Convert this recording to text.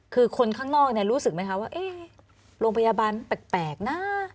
คือคนข้างนอกเนี้ยรู้สึกไหมคะว่าเอ๊ะโรงพยาบาลแปลกแปลกน่ะ